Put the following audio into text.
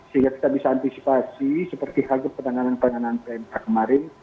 sehingga kita bisa antisipasi seperti hal itu penanganan penanganan pmk kemarin